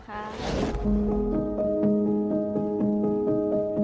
ค่ะ